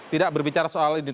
tidak berbicara soal ini